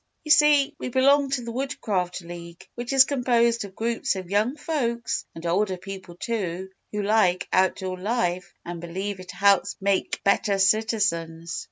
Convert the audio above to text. "You see, we belong to the Woodcraft League which is composed of groups of young folks and older people, too, who like outdoor life and believe it helps make better citizens.